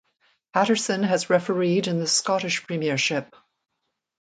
Paterson has refereed in the Scottish Premiership.